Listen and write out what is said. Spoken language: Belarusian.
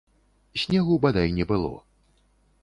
Снегу бадай не было.